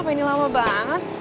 kecuali kenapa ini lama banget